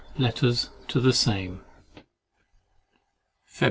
] LETTERS TO THE SAME Feb.